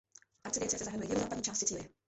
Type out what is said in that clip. Arcidiecéze zahrnuje jihozápadní část Sicílie.